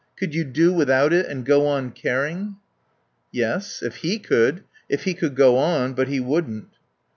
Could you do without it and go on caring?" "Yes. If he could. If he could go on. But he wouldn't."